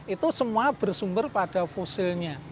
itu semua bersumber pada fosilnya